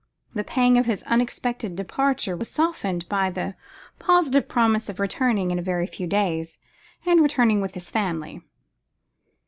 The pang of this unexpected departure was softened by the positive promise of returning in a very few days, and returning with his family.